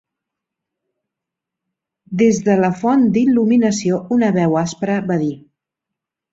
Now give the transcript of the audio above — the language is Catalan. Des de la font d'il·luminació, una veu aspra va dir: